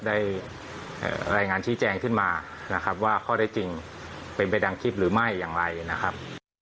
ได้รายงานชี้แจงขึ้นมานะครับว่าข้อได้จริงเป็นไปดังคลิปหรือไม่อย่างไรนะครับ